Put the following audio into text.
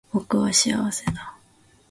僕は幸せだ